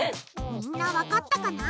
みんなわかったかな？